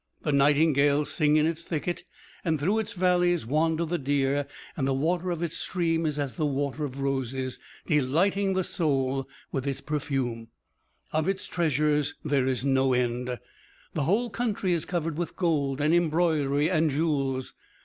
The nightingales sing in its thicket, and through its valleys wander the deer, and the water of its stream is as the water of roses, delighting the soul with its perfume. Of its treasures there is no end; the whole country is covered with gold and embroidery and jewels.